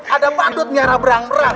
ada pandut nyara berang berang